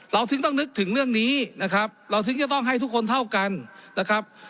ถึงต้องนึกถึงเรื่องนี้นะครับเราถึงจะต้องให้ทุกคนเท่ากันนะครับ